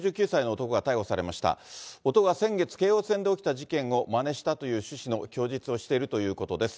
男は先月、京王線で起きた事件をまねしたという趣旨の供述をしているということです。